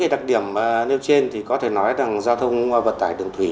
với đặc điểm nêu trên thì có thể nói là giao thông vận tải đường thủy